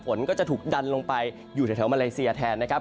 ฝนก็จะถูกดันลงไปอยู่แถวมาเลเซียแทนนะครับ